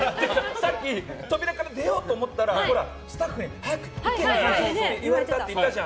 さっき扉から出ようと思ったらスタッフに、早く早くって言われたって言ったじゃん。